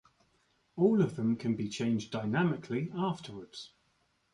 All of them can be changed dynamically afterwards.